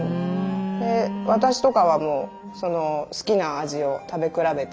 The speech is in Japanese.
で私とかはもう好きな味を食べ比べて。